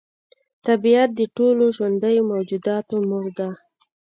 طبیعت د ټولو ژوندیو موجوداتو مور ده.